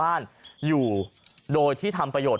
ท่านพรุ่งนี้ไม่แน่ครับ